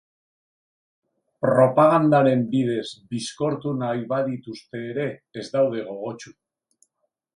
Propagandaren bidez bizkortu nahi badituzte ere, ez daude gogotsu.